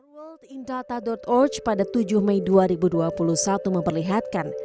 world in data orch pada tujuh mei dua ribu dua puluh satu memperlihatkan